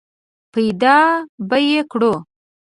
پیدا به یې کړو !